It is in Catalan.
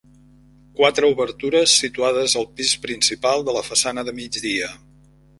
Quatre obertures situades al pis principal de la façana de migdia.